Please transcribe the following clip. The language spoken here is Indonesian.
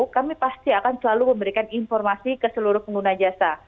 kami pasti akan selalu memberikan informasi ke seluruh pengguna jasa